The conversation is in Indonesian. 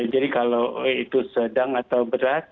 jadi kalau itu sedang atau berat